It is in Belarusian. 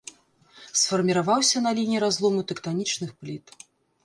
Сфарміраваўся на лініі разлому тэктанічных пліт.